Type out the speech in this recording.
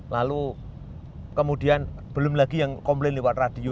lalu kemudian belum lagi yang komplain lewat radio